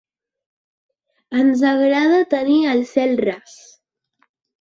Ens agrada tenir el cel ras.